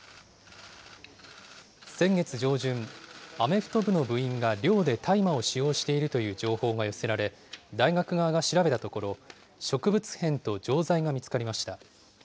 先月上旬、アメフト部の部員が寮で大麻を使用しているという情報が寄せられ、大学側が調べたところ、植物片と錠剤が見つかりました。